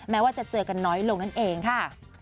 แม้ว่าจะเจอกันน้อยลงนั่นเองค่ะ